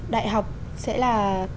đại học sẽ là